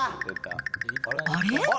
あれ？